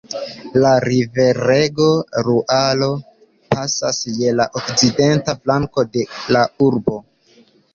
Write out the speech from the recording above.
La riverego Luaro pasas je la okcidenta flanko de la urbo.